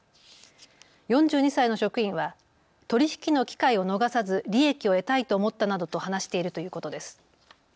４２歳の職員は取り引きの機会を逃さず利益を得たいと思ったなどと話しているということです。